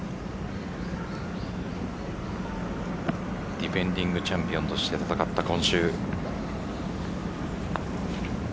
ディフェンディングチャンピオンとして戦った今週。